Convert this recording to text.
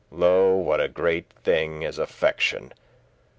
Lo, what a great thing is affection!